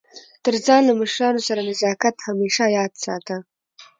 تر ځان له مشرانو سره نزاکت همېشه یاد ساته!